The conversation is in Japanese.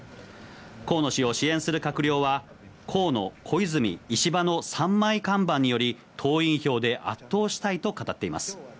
河野氏を支援する閣僚は、河野・小泉・石破の３枚看板により、党員票で圧倒したいと語っています。